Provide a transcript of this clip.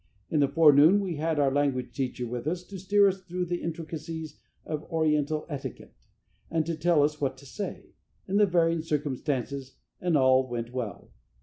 In the forenoon we had our language teacher with us to steer us through the intricacies of oriental etiquette, and to tell us what to say, in the varying circumstances, and all went well.